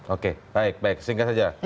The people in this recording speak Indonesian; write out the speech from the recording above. oke baik baik singkat saja